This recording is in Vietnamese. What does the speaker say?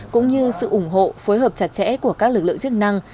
cũng như sự ủng hộ phối hợp chặt chẽ của các lực lượng chức năng